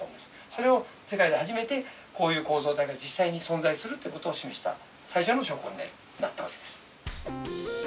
それを世界で初めてこういう構造体が実際に存在するという事を示した最初の証拠になった訳です。